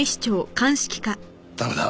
駄目だ。